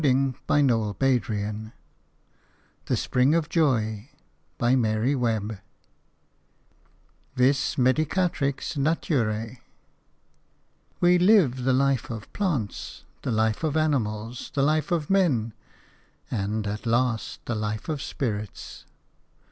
IVIS MEDICATRIX NATURAE THE SPRING OF JOY I VIS MEDICATRIX NATURAE "We live the life of plants, the life of animals, the life of men, and at last the life of spirits."